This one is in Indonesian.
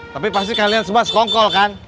tapi pasti kalian semua sekongkol kan